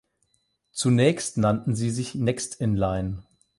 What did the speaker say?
Zunächst nannten sie sich Next In Line.